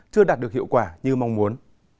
chưa đạt được hiệu quả như mong muốn